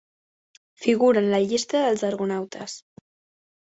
Figura en la llista dels argonautes.